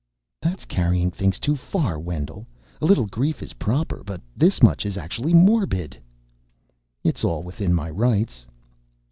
"That's carrying things too far, Wendell. A little grief is proper but this much is actually morbid." "It's all within my rights."